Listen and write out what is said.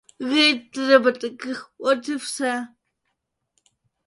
Геть треба таких от і все.